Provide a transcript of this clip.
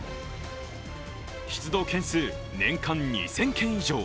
出動件数、年間２０００件以上。